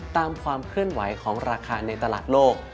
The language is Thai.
ความเคลื่อนไหวของราคาในตลาดโลก